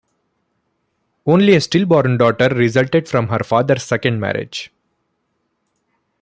Only a stillborn daughter resulted from her father's second marriage.